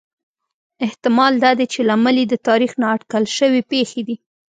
احتمال دا دی چې لامل یې د تاریخ نا اټکل شوې پېښې دي